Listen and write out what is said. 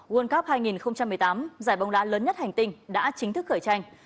world cup hai nghìn một mươi tám giải bóng đá lớn nhất hành tinh đã chính thức khởi tranh